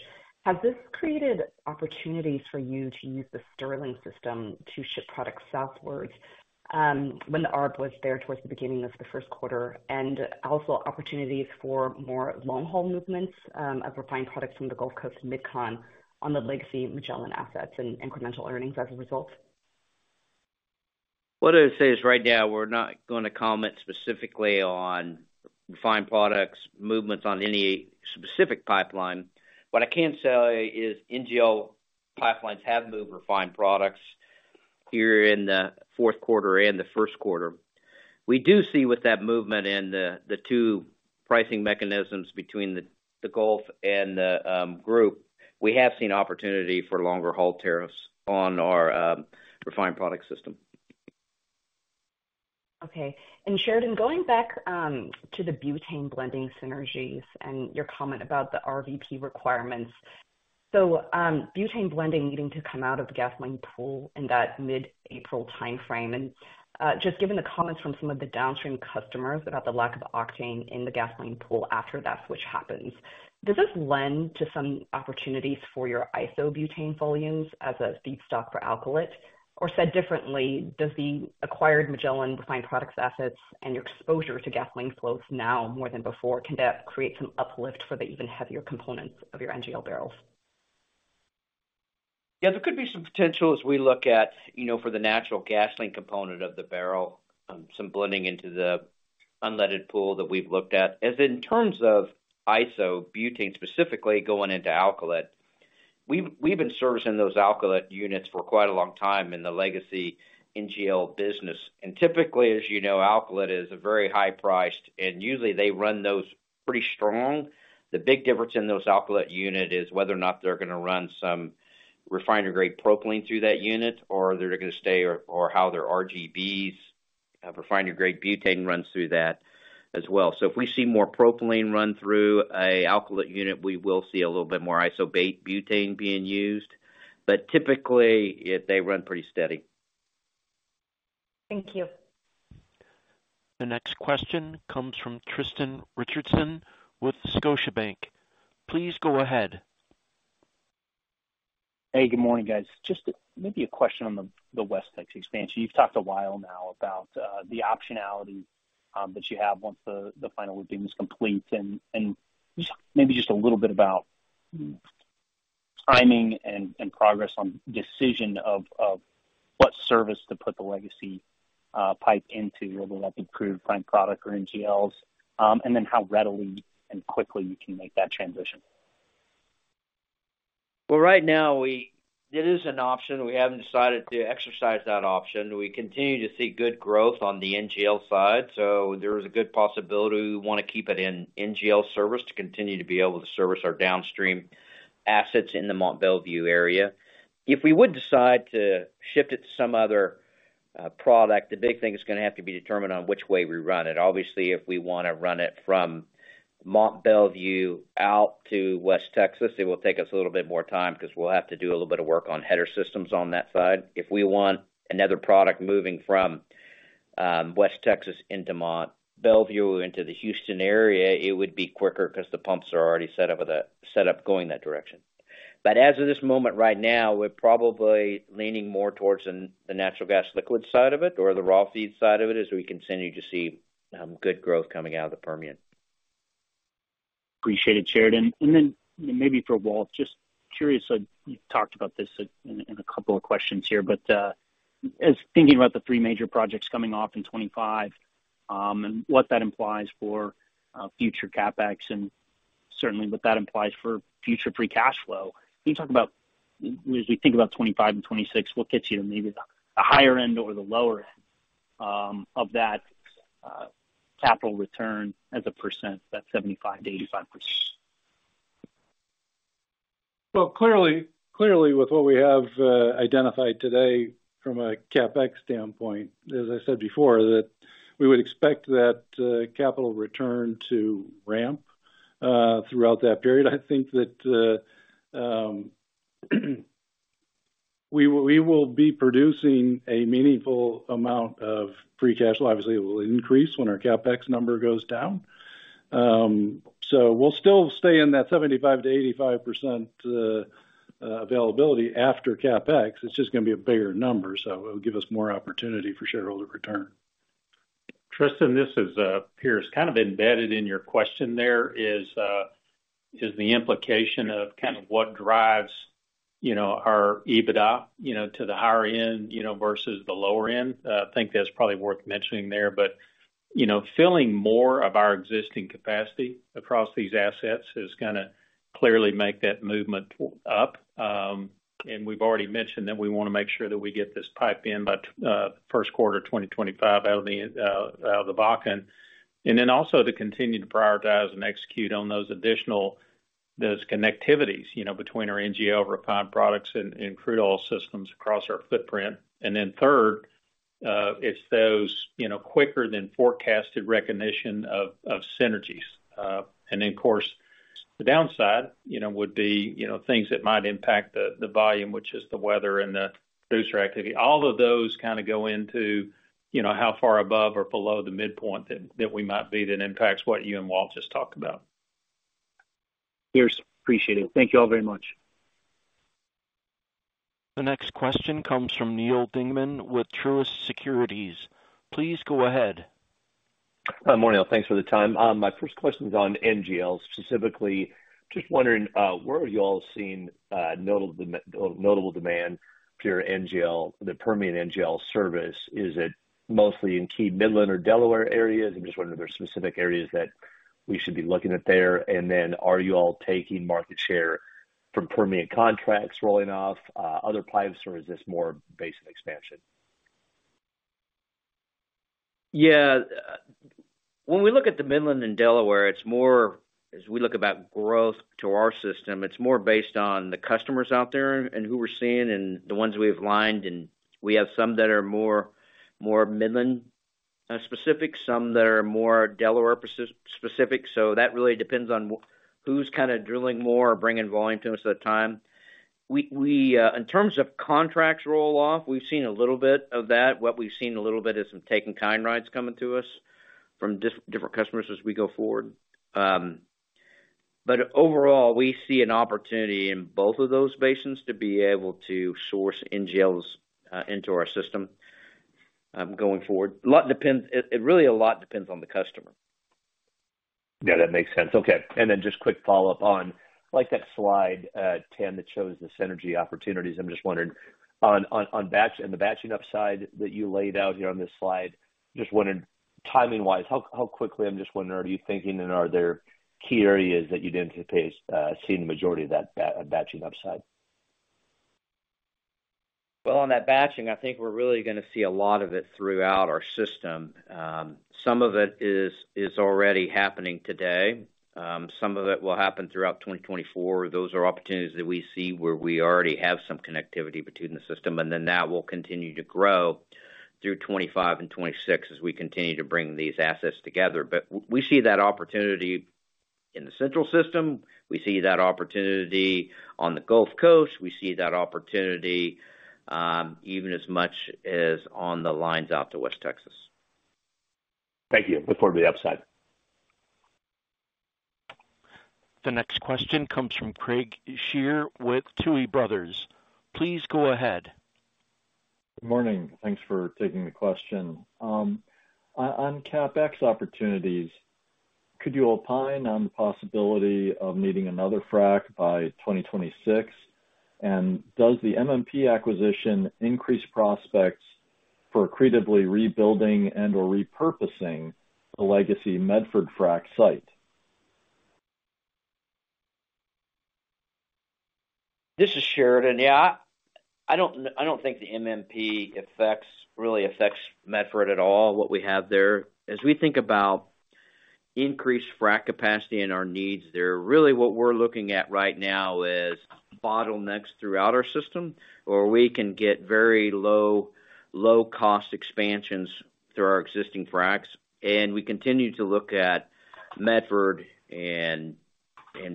has this created opportunities for you to use the Sterling system to ship products southwards, when the arb was there towards the beginning of the Q1? And also opportunities for more long-haul movements, of refined products from the Gulf Coast to MidCon on the legacy Magellan assets and incremental earnings as a result? What I would say is, right now, we're not gonna comment specifically on refined products movements on any specific pipeline. What I can say is NGL pipelines have moved refined products here in the Q4 and Q1. We do see with that movement and the two pricing mechanisms between the Gulf and the group, we have seen opportunity for longer haul tariffs on our refined product system. Okay. And Sheridan, going back, to the butane blending synergies and your comment about the RVP requirements. So, butane blending needing to come out of the gasoline pool in that mid-April timeframe. And, just given the comments from some of the downstream customers about the lack of octane in the gasoline pool after that switch happens, does this lend to some opportunities for your isobutane volumes as a feedstock for alkylate? Or said differently, does the acquired Magellan refined products assets and your exposure to gasoline flows now more than before, can that create some uplift for the even heavier components of your NGL barrels? Yeah, there could be some potential as we look at, you know, for the natural gasoline component of the barrel, some blending into the unleaded pool that we've looked at. As in terms of isobutane, specifically going into alkylate, we've been servicing those alkylation units for quite a long time in the legacy NGL business. And typically, as you know, alkylate is a very high priced, and usually they run those pretty strong. The big difference in those alkylation units is whether or not they're gonna run some refinery-grade propylene through that unit, or they're gonna stay or, or how their RGBs, refinery-grade butane runs through that as well. So if we see more propylene run through an alkylation unit, we will see a little bit more isobutane being used, but typically, they run pretty steady. Thank you. The next question comes from Tristan Richardson with Scotiabank. Please go ahead. Hey, good morning, guys. Just maybe a question on the West Texas expansion. You've talked a while now about the optionality that you have once the final looping is complete, and just maybe just a little bit about timing and progress on decision of what service to put the legacy pipe into, whether that be crude refined product or NGLs, and then how readily and quickly you can make that transition. Well, right now, it is an option. We haven't decided to exercise that option. We continue to see good growth on the NGL side, so there is a good possibility we wanna keep it in NGL service to continue to be able to service our downstream assets in the Mont Belvieu area. If we would decide to shift it to some other product, the big thing is gonna have to be determined on which way we run it. Obviously, if we wanna run it from Mont Belvieu out to West Texas, it will take us a little bit more time because we'll have to do a little bit of work on header systems on that side. If we want another product moving from West Texas into Mont Belvieu, into the Houston area, it would be quicker because the pumps are already set up with that set up going that direction. But as of this moment, right now, we're probably leaning more towards the natural gas liquid side of it or the raw feed side of it as we continue to see good growth coming out of the Permian. Appreciate it, Sheridan. And then maybe for Walt, just curious, so you've talked about this in a couple of questions here, but as thinking about the three major projects coming off in 25, and what that implies for future CapEx, and certainly what that implies for future free cash flow. Can you talk about, as we think about 25 and 26, what gets you to maybe the higher end or the lower end of that capital return as a percent, that 75%-85%? Well, clearly, with what we have identified today from a CapEx standpoint, as I said before, that we would expect that capital return to ramp throughout that period. I think that we will be producing a meaningful amount of free cash flow. Obviously, it will increase when our CapEx number goes down. So we'll still stay in that 75%-85% availability after CapEx. It's just gonna be a bigger number, so it'll give us more opportunity for shareholder return. Tristan, this is Pierce. Kind of embedded in your question there is the implication of kind of what drives, you know, our EBITDA, you know, to the higher end, you know, versus the lower end. I think that's probably worth mentioning there. But, you know, filling more of our existing capacity across these assets is gonna clearly make that movement up. And we've already mentioned that we wanna make sure that we get this pipe in by Q1 of 2025 out of the Bakken. And then also to continue to prioritize and execute on those additional—those connectivities, you know, between our NGL refined products and crude oil systems across our footprint. And then third, it's those, you know, quicker than forecasted recognition of synergies. And then, of course, the downside, you know, would be, you know, things that might impact the volume, which is the weather and the producer activity. All of those kind of go into, you know, how far above or below the midpoint that we might be, that impacts what you and Walt just talked about. Pierce, appreciate it. Thank you all very much. The next question comes from Neal Dingmann with Truist Securities. Please go ahead. Hi, good morning. Thanks for the time. My first question is on NGLs. Specifically, just wondering where have you all seen notable demand to your NGL, the Permian NGL service? Is it mostly in key Midland or Delaware areas? I'm just wondering if there are specific areas that we should be looking at there. And then are you all taking market share from Permian contracts rolling off other pipes, or is this more basin expansion? Yeah. When we look at the Midland and Delaware, it's more as we look about growth to our system, it's more based on the customers out there and who we're seeing and the ones we've lined, and we have some that are more, more Midland specific, some that are more Delaware specific. So that really depends on who's kind of drilling more or bringing volume to us at the time. We, in terms of contracts roll-off, we've seen a little bit of that. What we've seen a little bit is some take-in-kind rights coming to us from different customers as we go forward. But overall, we see an opportunity in both of those basins to be able to source NGLs into our system, going forward. A lot depends. It really a lot depends on the customer. Yeah, that makes sense. Okay, and then just quick follow-up on, like, that slide, Tim, that shows the synergy opportunities. I'm just wondering on batch and the batching upside that you laid out here on this slide, just wondering timing-wise, how quickly I'm just wondering, are you thinking, and are there key areas that you'd anticipate seeing the majority of that batching upside? Well, on that batching, I think we're really gonna see a lot of it throughout our system. Some of it is already happening today. Some of it will happen throughout 2024. Those are opportunities that we see where we already have some connectivity between the system, and then that will continue to grow through 2025 and 2026 as we continue to bring these assets together. But we see that opportunity in the Central System, we see that opportunity on the Gulf Coast, we see that opportunity, even as much as on the lines out to West Texas. Thank you. Look forward to the upside. The next question comes from Craig Shere with Tuohy Brothers. Please go ahead. Good morning. Thanks for taking the question. On CapEx opportunities, could you opine on the possibility of needing another frac by 2026? And does the MMP acquisition increase prospects for accretively rebuilding and/or repurposing the legacy Medford frac site? This is Sheridan. Yeah, I don't think the MMP affects, really affects Medford at all, what we have there. As we think about increased frac capacity and our needs there, really what we're looking at right now is bottlenecks throughout our system, where we can get very low-cost expansions through our existing fracs. And we continue to look at Medford and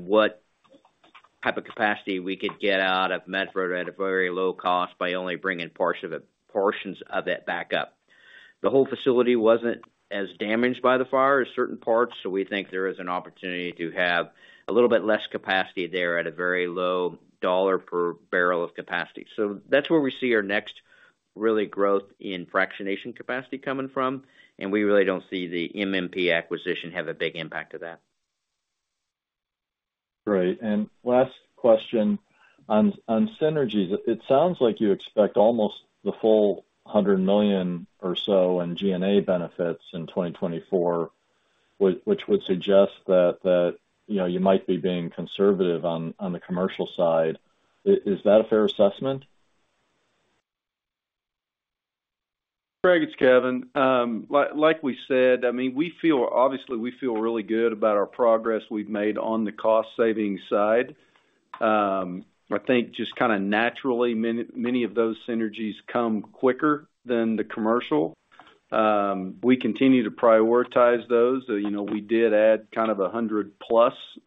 what type of capacity we could get out of Medford at a very low cost by only bringing parts of it, portions of it back up. The whole facility wasn't as damaged by the fire as certain parts, so we think there is an opportunity to have a little bit less capacity there at a very low dollar per barrel of capacity. So that's where we see our next really growth in fractionation capacity coming from, and we really don't see the MMP acquisition have a big impact to that. Great. Last question, on synergies. It sounds like you expect almost the full $100 million or so in G&A benefits in 2024, which would suggest that, you know, you might be being conservative on the commercial side. Is that a fair assessment? Craig, it's Kevin. Like, like we said, I mean, we feel, obviously, we feel really good about our progress we've made on the cost savings side. I think just kind of naturally, many, many of those synergies come quicker than the commercial. We continue to prioritize those. You know, we did add kind of 100+,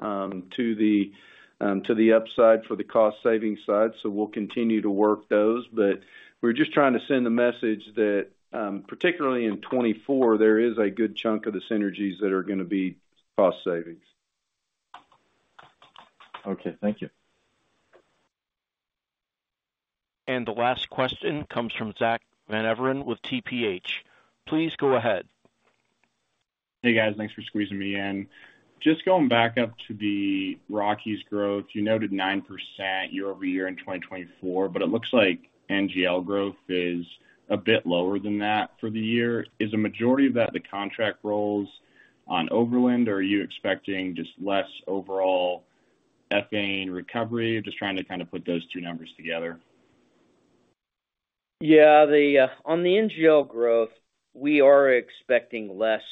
to the, to the upside for the cost savings side, so we'll continue to work those. But we're just trying to send the message that, particularly in 2024, there is a good chunk of the synergies that are gonna be cost savings. Okay, thank you. The last question comes from Zach Van Everen with TPH. Please go ahead. Hey, guys. Thanks for squeezing me in. Just going back up to the Rockies growth, you noted 9% year-over-year in 2024, but it looks like NGL growth is a bit lower than that for the year. Is the majority of that the contract rolls on Overland, or are you expecting just less overall ethane recovery? Just trying to kind of put those two numbers together. Yeah, on the NGL growth, we are expecting less,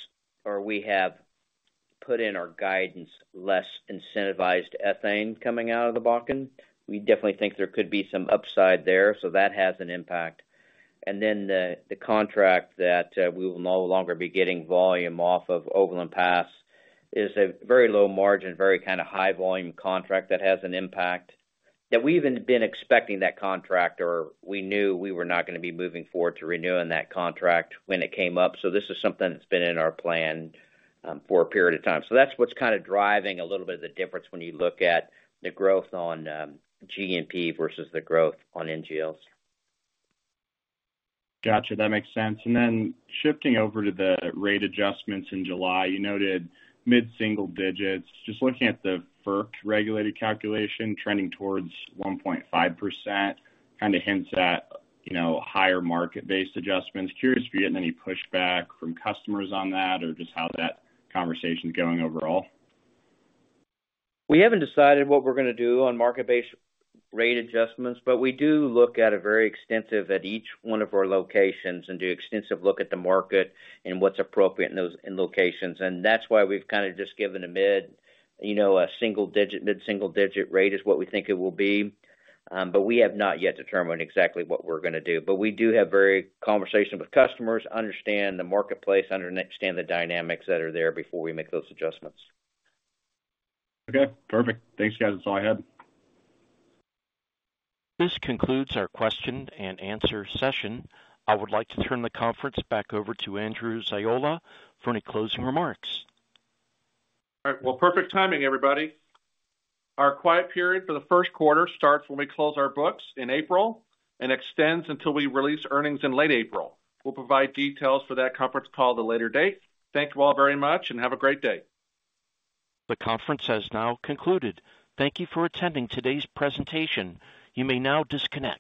or we have put in our guidance, less incentivized ethane coming out of the Bakken. We definitely think there could be some upside there, so that has an impact. And then the contract that we will no longer be getting volume off of Overland Pass is a very low margin, very kind of high volume contract that has an impact, that we've even been expecting that contract or we knew we were not gonna be moving forward to renewing that contract when it came up. So this is something that's been in our plan for a period of time. So that's what's kind of driving a little bit of the difference when you look at the growth on G&P versus the growth on NGLs. Gotcha, that makes sense. And then shifting over to the rate adjustments in July, you noted mid-single digits. Just looking at the FERC-regulated calculation trending towards 1.5%, kind of hints at, you know, higher market-based adjustments. Curious if you're getting any pushback from customers on that or just how that conversation is going overall. We haven't decided what we're gonna do on market-based rate adjustments, but we do look at it very extensive at each one of our locations and do extensive look at the market and what's appropriate in those locations. That's why we've kind of just given a mid, you know, a single digit, mid-single digit rate is what we think it will be. But we have not yet determined exactly what we're gonna do. But we do have very conversation with customers, understand the marketplace, understand the dynamics that are there before we make those adjustments. Okay, perfect. Thanks, guys. That's all I had. This concludes our question and answer session. I would like to turn the conference back over to Andrew Ziola for any closing remarks. All right. Well, perfect timing, everybody. Our quiet period for the Q1 starts when we close our books in April and extends until we release earnings in late April. We'll provide details for that conference call at a later date. Thank you all very much, and have a great day. The conference has now concluded. Thank you for attending today's presentation. You may now disconnect.